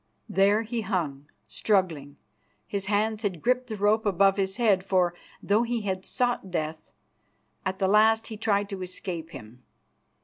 There he hung, struggling. His hands had gripped the rope above his head, for though he had sought Death, at the last he tried to escape him.